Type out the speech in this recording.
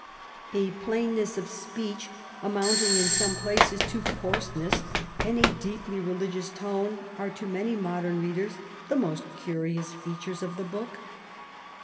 A plainness of speech, amounting in some places to coarseness, and a deeply religious tone, are to many modern readers the most curious features of the book.